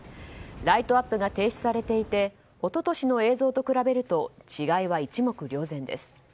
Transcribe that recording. ライトアップが停止されていて一昨年の映像と比べると違いは一目瞭然です。